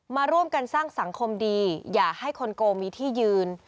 มาร่วมกันสร้างสังคมดีอย่าให้คนโกมีที่ยืน